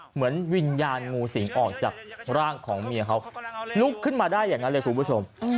เหมือนวิญญาณงูสิงออกจากร่างของเมียเขาลุกขึ้นมาได้อย่างนั้นเลยคุณผู้ชม